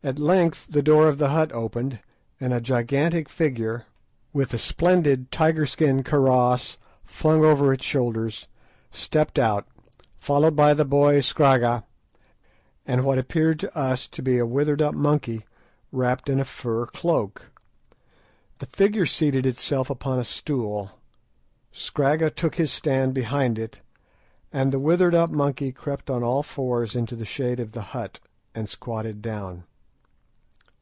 At length the door of the hut opened, and a gigantic figure, with a splendid tiger skin karross flung over its shoulders, stepped out, followed by the boy Scragga, and what appeared to us to be a withered up monkey, wrapped in a fur cloak. The figure seated itself upon a stool, Scragga took his stand behind it, and the withered up monkey crept on all fours into the shade of the hut and squatted down.